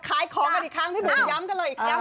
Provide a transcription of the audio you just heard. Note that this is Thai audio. ขายของกันอีกครั้งพี่บุ๋มย้ำกันเลยอีกครั้ง